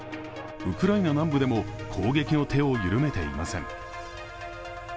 ウクライナ南部でも攻撃の手を緩めていません。